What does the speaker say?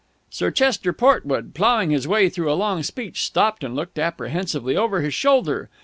Sir Chester Portwood, ploughing his way through a long speech, stopped and looked apprehensively over his shoulder.